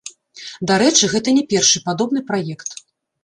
Дарэчы, гэта не першы падобны праект.